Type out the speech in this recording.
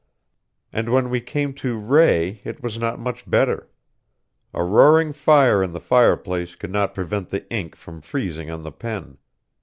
And when we came to Rae it was not much better. A roaring fire in the fireplace could not prevent the ink from freezing on the pen.